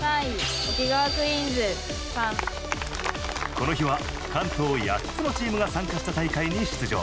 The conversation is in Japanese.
この日は関東８つのチームが参加した大会に出場。